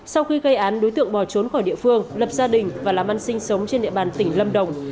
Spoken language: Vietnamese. sau khi gây án đối tượng bỏ trốn khỏi địa phương lập gia đình và làm ăn sinh sống trên địa bàn tỉnh lâm đồng